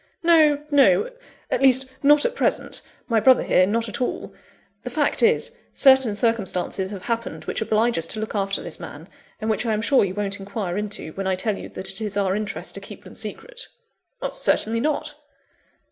"No, no at least, not at present; my brother here, not at all. The fact is, certain circumstances have happened which oblige us to look after this man; and which I am sure you won't inquire into, when I tell you that it is our interest to keep them secret." "Certainly not!"